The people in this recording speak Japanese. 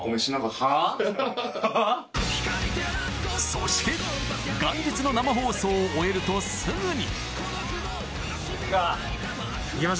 そして元日の生放送を終えるとすぐに。